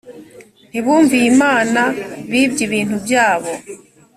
ntibumviye imana bibye ibintu byayo